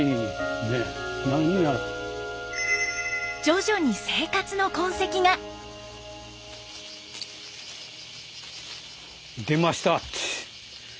徐々に生活の痕跡が。出ました。